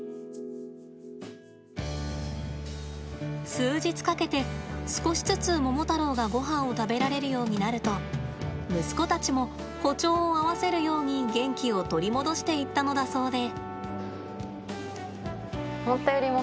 数日かけて少しずつモモタロウがごはんを食べられるようになると息子たちも歩調を合わせるように元気を取り戻していったのだそうで。